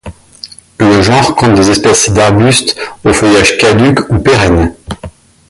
Le genre compte des espèces d'arbustes, au feuillage caduc ou pérenne.